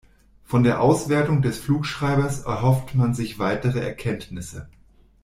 Von der Auswertung des Flugschreibers erhofft man sich weitere Erkenntnisse.